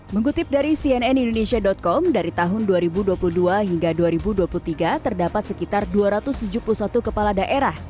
mengutip dari cnn indonesia com dari tahun dua ribu dua puluh dua hingga dua ribu dua puluh tiga terdapat sekitar dua ratus tujuh puluh satu kepala daerah